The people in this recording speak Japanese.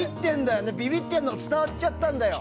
ビビってるのが伝わっちゃったんだよ。